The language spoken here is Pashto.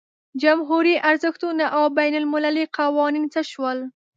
جمهوري ارزښتونه او بین المللي قوانین څه شول.